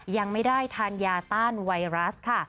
ยังไม่ได้ทานยาต้านไวรัสค่ะ